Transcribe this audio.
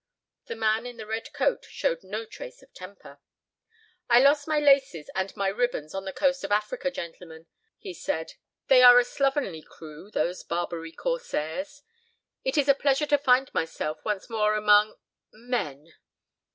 The man in the red coat showed no trace of temper. "I lost my laces and my ribbons on the coast of Africa, gentlemen," he said. "They are a slovenly crew—those Barbary corsairs. It is a pleasure to find myself once more among—men."